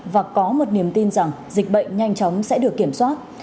và có một niềm tin rằng dịch bệnh nhanh chóng sẽ được kiểm soát